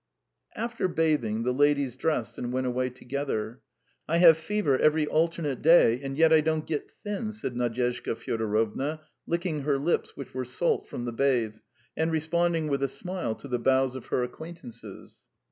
... After bathing, the ladies dressed and went away together. "I have fever every alternate day, and yet I don't get thin," said Nadyezhda Fyodorovna, licking her lips, which were salt from the bathe, and responding with a smile to the bows of her acquaintances.